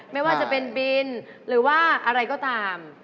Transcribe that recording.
ไม่ว่าจะเป็นบินหรือว่าอะไรก็ตาม